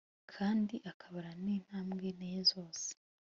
kandi akabara n'intambwe nteye zose